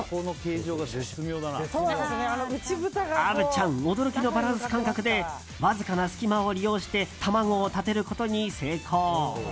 虻ちゃん驚きのバランス感覚でわずかな隙間を利用して卵を立てることに成功。